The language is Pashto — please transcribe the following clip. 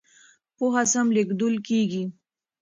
پوهه سم لېږدول کېږي.